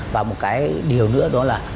và một điều nữa đó là